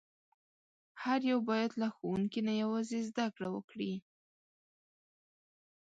هر یو باید له ښوونکي نه یوازې زده کړه وکړي.